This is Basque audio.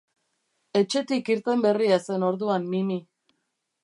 Etxetik irten berria zen orduan Mimi.